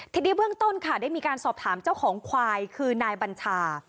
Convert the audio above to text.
ทีนี้เบื้องต้นค่ะได้มีการสอบถามเจ้าของควายคือนายบัญชา